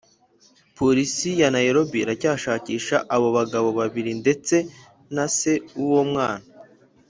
polisi ya nairobi iracyashakisha abo bagabo babiri ndetse na se w’uwo mwana